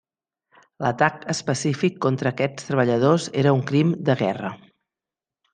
L'atac específic contra aquests treballadors era un crim de guerra.